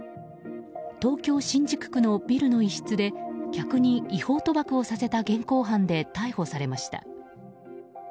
東京・新宿区のビルの一室で客に違法賭博をさせた現行犯で逮捕されました。